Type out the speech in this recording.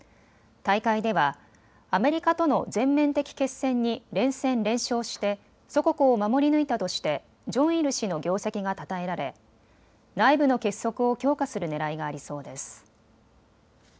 大会ではアメリカとの全面的決戦に連戦連勝して祖国を守り抜いたとしてジョンイル氏の業績がたたえられ内部の結束を強化するねらいがありそうです。